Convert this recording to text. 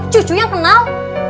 cucu yang kenal